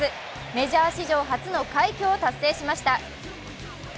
メジャー史上初の快挙を達成しました。